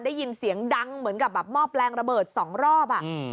ได้ยินเสียงดังเหมือนกับมอบแรงระเบิด๒รอบ